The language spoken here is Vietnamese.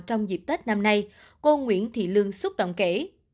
trong dịp tết năm nay cô nguyễn thị lương xúc động kể